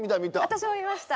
私も見ました。